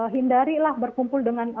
hindarilah berkumpul dengan